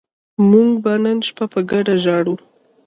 موږ به نن شپه په ګډه ژاړو